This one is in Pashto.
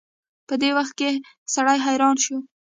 په دې وخت کې سړی حيران شي.